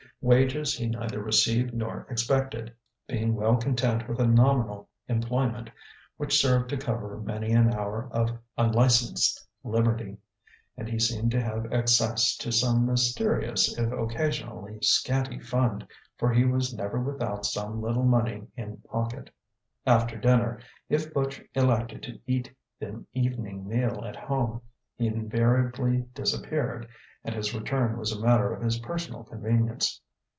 Wages he neither received nor expected, being well content with a nominal employment which served to cover many an hour of unlicensed liberty; and he seemed to have access to some mysterious if occasionally scanty fund, for he was never without some little money in pocket. After dinner, if Butch elected to eat the evening meal at home, he invariably disappeared; and his return was a matter of his personal convenience.